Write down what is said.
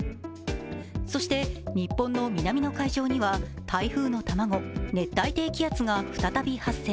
そして、日本の南の海上には台風の卵熱帯低気圧が再び発生。